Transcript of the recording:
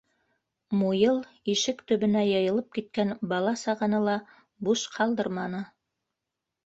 Муйыл ишек төбөнә йыйылып киткән бала-сағаны ла буш ҡалдырманы.